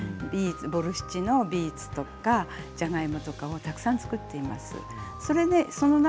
ボルシチのビーツとかじゃがいもとかじゃがいもをたくさん作っています。